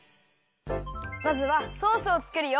まずはソースをつくるよ。